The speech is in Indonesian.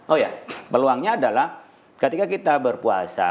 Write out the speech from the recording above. oh ya peluangnya adalah ketika kita berpuasa